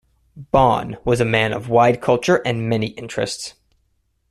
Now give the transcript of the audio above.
Bohn was a man of wide culture and many interests.